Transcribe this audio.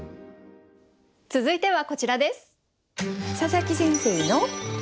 続いてはこちらです。